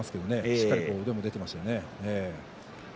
しっかり腕も出ていましたね。